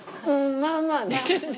うんまあまあね。